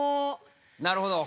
なるほど。